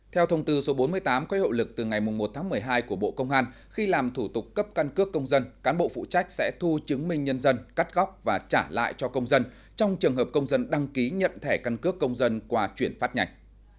theo thông tư số bốn mươi tám quấy hậu lực từ ngày một tháng một mươi hai của bộ công an khi làm thủ tục cấp căn cước công dân cán bộ phụ trách sẽ thu chứng minh nhân dân cắt góc và trả lại cho công dân trong trường hợp công dân đăng ký nhận thẻ căn cước công dân qua chuyển phát nhạch